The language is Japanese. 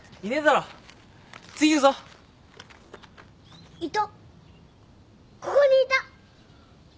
ここにいた。